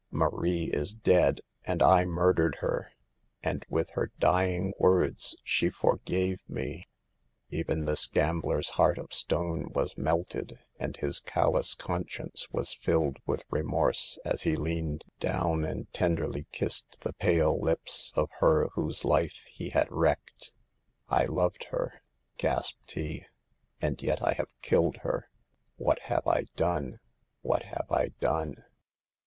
" Marie is dead, and I murdered her. And with her dying words she forgave me." Even this gambler's heart of stone was melted and his callous conscience was filled with remorse %s he leaned down and tenderly THE EVILS 'OF DANCING. 97 kissed the pale lips of her whose life he had wrecked. " I loved her," gasped he, " and yet I have killed her. What have I done ? What have I done?"